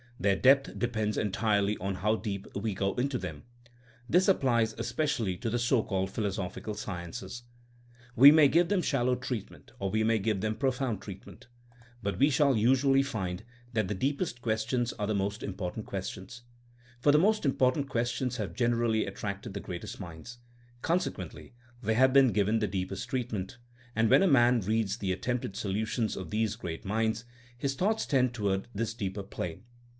Their depth depends entirely on how deep we go into them. This applies espe cially to the so called philosophical sciences. We may give them shallow treatment or we may give them profound treatmentc But we shall 226 THINKINa A8 A 80IEN0E usually find that the deepest questions are the most important questions. For the most im portant questions have generally attracted the greatest minds; consequently they have been given the deepest treatment; and when a man reads the attempted solutions of these great minds his thoughts tend toward this deeper plane.